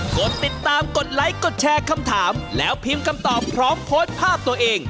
กดติดตามกดไลค์กดแชร์คำถามแล้วพิมพ์คำตอบพร้อมโพสต์ภาพตัวเอง